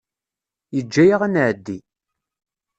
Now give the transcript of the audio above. Yeǧǧa-aɣ ad nɛeddi.